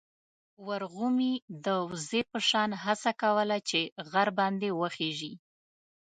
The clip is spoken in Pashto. ورغومي د وزې په شان هڅه کوله چې غر باندې وخېژي.